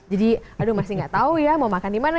jadi aduh masih gak tau ya mau makan di mana